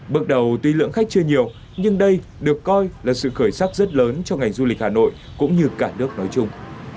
bước đầu tuy lượng khách chưa nhiều nhưng đây được coi là sự khởi sắc rất lớn cho ngành du lịch hà nội cũng như cả nước nói chung